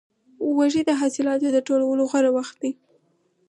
وږی د حاصلاتو د ټولولو غوره وخت دی.